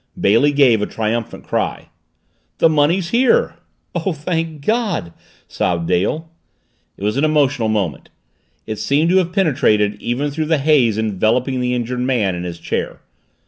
Bailey gave a triumphant cry. "The money's here!" "Oh, thank God!" sobbed Dale. It was an emotional moment. It seemed to have penetrated even through the haze enveloping the injured man in his chair.